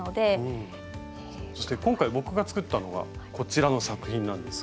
そして今回僕が作ったのがこちらの作品なんですが。